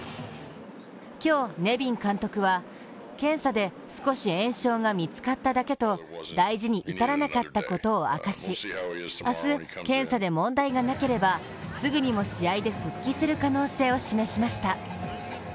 今日ネビン監督は検査で少し炎症が見つかっただけと大事に至らなかったことを明かし、明日、検査で問題なければすぐにも試合で復帰する可能性を示しました。